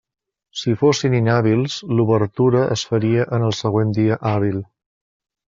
Si fossin inhàbils, l'obertura es faria en el següent dia hàbil.